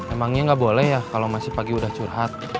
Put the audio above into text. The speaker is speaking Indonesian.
emangnya nggak boleh ya kalau masih pagi udah curhat